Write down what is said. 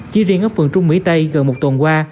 chỉ riêng ở phường trung mỹ tây gần một tuần qua